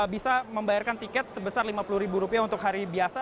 bisa membayarkan tiket sebesar lima puluh ribu rupiah untuk hari biasa